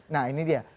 nah ini dia